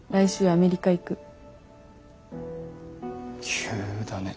急だね。